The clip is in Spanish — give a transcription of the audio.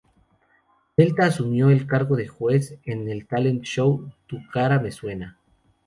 Delta asumió el cargo de juez en el talent show "Tu cara me suena".